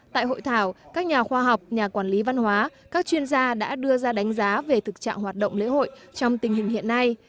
tại hội thảo các nhà khoa học nhà quản lý văn hóa các chuyên gia đã đưa ra đánh giá về thực trạng hoạt động lễ hội trong tình hình hiện nay